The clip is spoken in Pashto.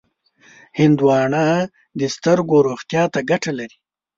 هندوانه د سترګو روغتیا ته ګټه لري.